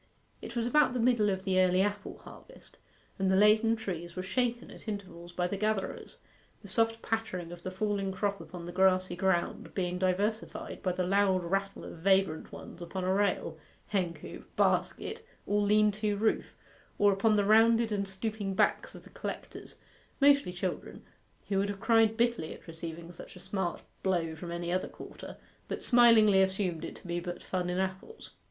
It was about the middle of the early apple harvest, and the laden trees were shaken at intervals by the gatherers; the soft pattering of the falling crop upon the grassy ground being diversified by the loud rattle of vagrant ones upon a rail, hencoop, basket, or lean to roof, or upon the rounded and stooping backs of the collectors mostly children, who would have cried bitterly at receiving such a smart blow from any other quarter, but smilingly assumed it to be but fun in apples.